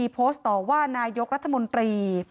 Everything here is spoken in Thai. โพสต์ต่อว่านายกรัฐมนตรี